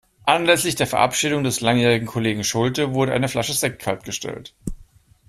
Anlässlich der Verabschiedung des langjährigen Kollegen Schulte wurde eine Flasche Sekt kaltgestellt.